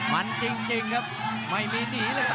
มันจริงครับไม่มีหนีเลยครับ